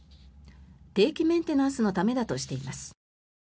定期メンテナンスのためだとしています。